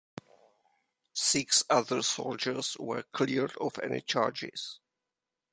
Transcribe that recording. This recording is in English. Six other soldiers were cleared of any charges.